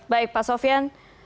baik pak sofyan